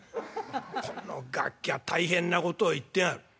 「このガキャ大変なことを言ってやがる。